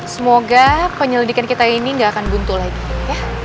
semoga penyelidikan kita ini gak akan buntu lagi ya